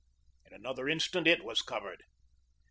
In another instant it was covered.